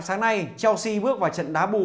sáng nay chelsea bước vào trận đá bù